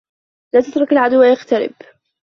لا تترك العدو يقترب.